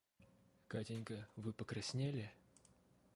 Катенька вы покраснели?